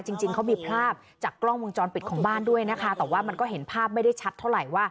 จริงจริงเขามีภาพจากกล้องวงจรปิดของบ้านด้วยนะคะแต่ว่ามันก็เห็นภาพไม่ได้ชัดเท่าไหร่ว่า